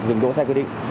rừng đỗ xe quy định